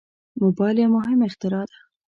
موبایل یو مهم اختراع ده.